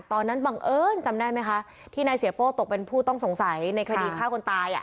บังเอิญจำได้ไหมคะที่นายเสียโป้ตกเป็นผู้ต้องสงสัยในคดีฆ่าคนตาย